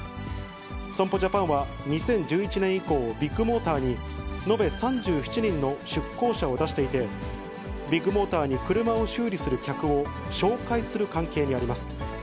損保ジャパンは、２０１１年以降、ビッグモーターに延べ３７人の出向者を出していて、ビッグモーターに車を修理する客を紹介する関係にあります。